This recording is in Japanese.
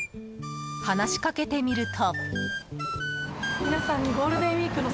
話しかけてみると。